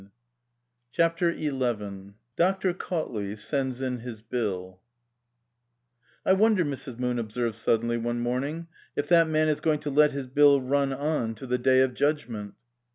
321 CHAPTER XI DOCTOR CAUTLEY SENDS IN HIS BILL " T WONDER," Mrs. Moon observed suddenly JL one morning, " if that man is going to let his hill run on to the day of judgment